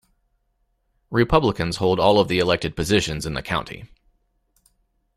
Republicans hold all of the elected positions in the county.